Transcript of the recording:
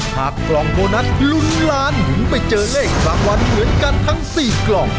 กล่องโบนัสลุ้นล้านถึงไปเจอเลขรางวัลเหมือนกันทั้ง๔กล่อง